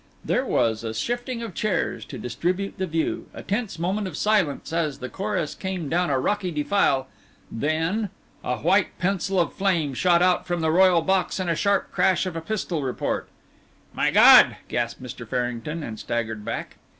There was a shifting of chairs to distribute the view, a tense moment of silence as the chorus came down a rocky defile and then a white pencil of flame shot out from the royal box and a sharp crash of a pistol report. "My God!" gasped Mr. Farrington, and staggered back.